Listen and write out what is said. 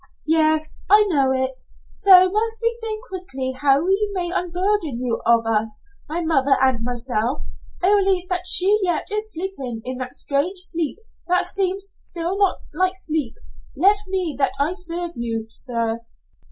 Yes, I know it. So must we think quickly how we may unburden you of us my mother and myself only that she yet is sleeping that strange sleep that seems still not like sleep. Let me that I serve you, sir?"